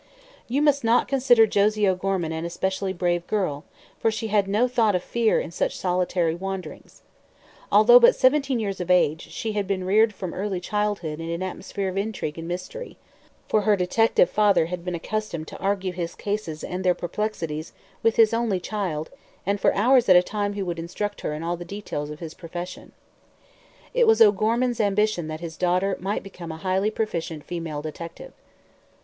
You must not consider Josie O'Gorman an especially brave girl, for she had no thought of fear in such solitary wanderings. Although but seventeen years of age, she had been reared from early childhood in an atmosphere of intrigue and mystery, for her detective father had been accustomed to argue his cases and their perplexities with his only child and for hours at a time he would instruct her in all the details of his profession. It was O'Gorman's ambition that his daughter might become a highly proficient female detective.